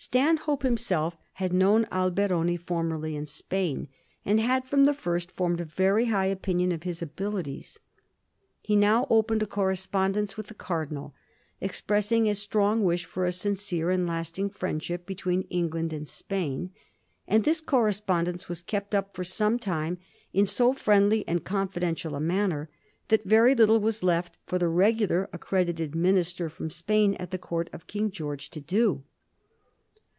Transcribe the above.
Stanhope himself had known Alberoni formerly in Spain, and had firom the first formed a very high opinion of his abilities. He now opened a correspondence with the cardinal, expressing a strong wish for a sincere and lasting fnendship between England and Spain ; and this correspondence was kept up for some time in so firiendly and confidential a manner, that very little was left for the regular accredited minister from Spain at the Court of King George to do.